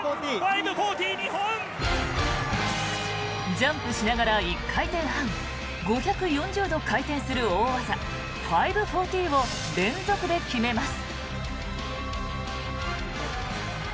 ジャンプしながら１回転半５４０度回転する大技５４０を連続で決めます。